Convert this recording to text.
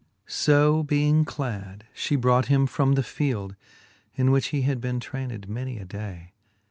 So being clad, fhe brought him from the field. In which he had been trayncd many a day.